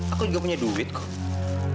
aku juga punya duit kok